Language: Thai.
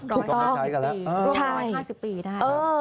ร้อย๕๐ปีใช่